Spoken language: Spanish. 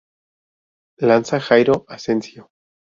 Lanza Jairo Asencio.